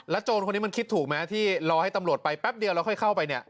โจรคนนี้มันคิดถูกไหมที่รอให้ตำรวจไปแป๊บเดียวแล้วค่อยเข้าไปเนี่ย